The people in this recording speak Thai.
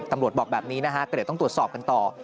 ตำรวจบอกแบบนี้นะครับก็เดี๋ยวต้องตรวจสอบกันต่อ